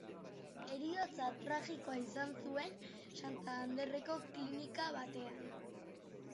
Heriotza tragikoa izan zuen Santanderreko klinika batean.